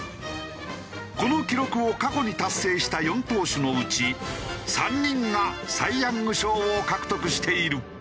この記録を過去に達成した４投手のうち３人がサイ・ヤング賞を獲得している。